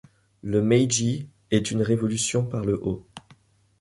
Le Meiji est une révolution par le haut.